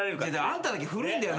あんただけ古いんだよ